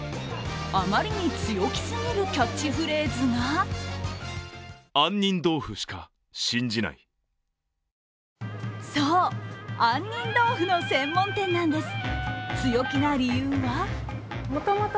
あまりに強気すぎるキャッチフレーズがそう、杏仁豆腐の専門店なんです